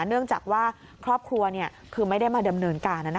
เนื่องจากว่าครอบครัวคือไม่ได้มาดำเนินการ